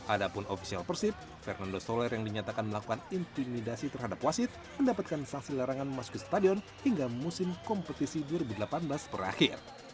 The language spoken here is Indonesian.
ada pun ofisial persib fernando soler yang dinyatakan melakukan intimidasi terhadap wasit mendapatkan saksi larangan memasuki stadion hingga musim kompetisi dua ribu delapan belas berakhir